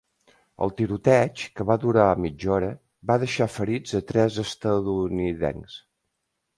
El tiroteig, que va durar mitja hora, va deixar ferits a tres estatunidencs.